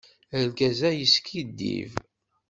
Argaz-a yeskiddib.